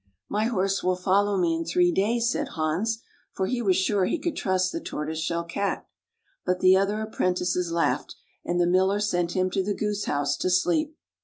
"" My horse will follow me in three days," said Hans, for he was sure he could trust the Tortoise Shell Cat. But the other apprentices laughed, and the Miller sent him to the goose house to sleep.